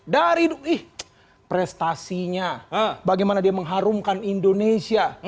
dari prestasinya bagaimana dia mengharumkan indonesia